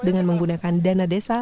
dengan menggunakan dana desa